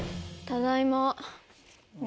ただいま。